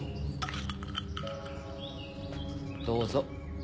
どうぞ。